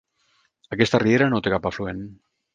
Aquesta riera no té cap afluent.